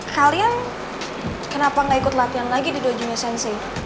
kalian kenapa gak ikut latihan lagi di dojunya sensei